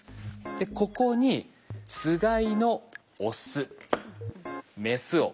でここにつがいのオスメスを入れます。